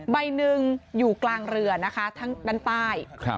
ใบหนึ่งอยู่กลางเรือนะคะทั้งด้านใต้